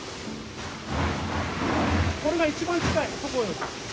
これが一番近い。